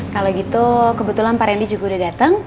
kalau gitu kebetulan pak randy juga udah datang